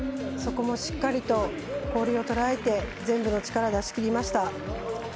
そこもしっかりと氷をとらえて全部の力を出しきりました。